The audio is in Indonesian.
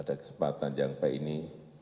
ada kesempatan yang baik ini